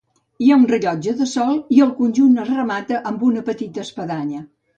Hi ha un rellotge de sol i el conjunt es remata amb una petita espadanya.